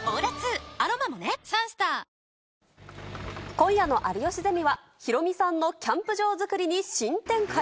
今夜の有吉ゼミは、ヒロミさんのキャンプ場作りに新展開。